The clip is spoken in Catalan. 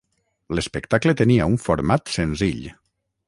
L'espectacle tenia un format senzill.